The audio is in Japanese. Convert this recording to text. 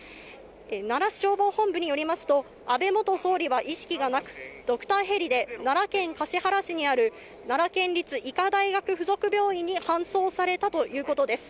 奈良市消防本部によりますと安倍元総理は意識がなく、ドクターヘリで奈良県橿原市にある奈良県立医科大学附属病院に搬送されたということです。